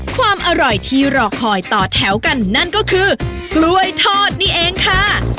ความอร่อยที่รอคอยต่อแถวกันนั่นก็คือกล้วยทอดนี่เองค่ะ